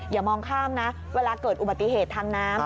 อย่ามองข้ามนะเวลาเกิดอุบัติเหตุทางน้ำ